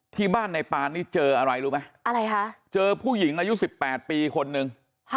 ที่บ้านในปานนี่เจออะไรรู้ไหมอะไรคะเจอผู้หญิงอายุ๑๘ปีคนนึง